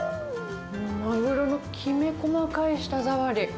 マグロのきめ細かい舌触り。